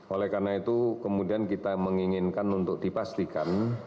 oleh karena itu kemudian kita menginginkan untuk dipastikan